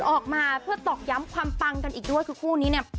ออกมาเพื่อตอกย้ำความปังกันอีกด้วยคือคู่นี้เนี่ย